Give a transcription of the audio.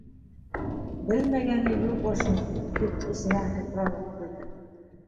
«Белмәгәне юҡ ошоноң», - тип, эсенән һуҡранып ҡуйҙы.